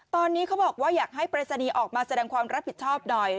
ตอนนี้เขาบอกว่าอยากให้ปริศนีย์ออกมาแสดงความรับผิดชอบหน่อย